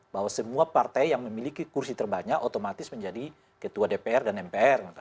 bahwa semua partai yang memiliki kursi terbanyak otomatis menjadi ketua dpr dan mpr